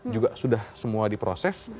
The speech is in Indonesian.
juga sudah semua diproses